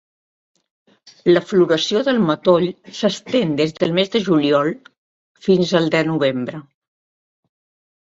La floració del matoll s'estén des del mes de juliol fins al de novembre.